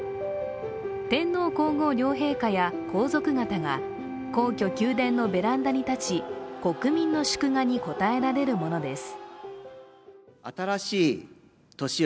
天皇皇后両陛下や皇族方が皇居・宮殿のベランダに立ち、国民の祝賀に応えられるものです。